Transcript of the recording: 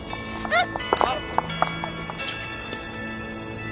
あっ！